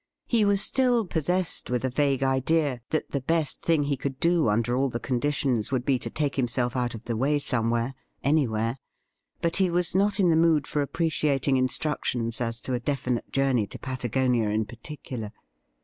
He was still possessed with a vague idea that the best thing he could do under all the conditions would be to take himself out of the way somewhere — anywhere ; but he was not in the mood for appreciating instructions as to a definite journey to Patagonia in particular.